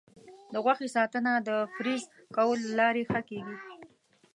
د غوښې ساتنه د فریز کولو له لارې ښه کېږي.